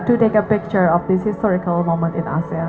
untuk mengambil gambar dari saat bersejarah di asia